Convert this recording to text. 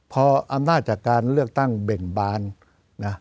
พออำนาจจากการเลือกตั้งเบ่งบานนะ